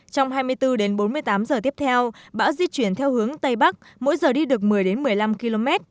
trong hai mươi bốn đến bốn mươi tám giờ tiếp theo bão di chuyển theo hướng tây bắc mỗi giờ đi được một mươi một mươi năm km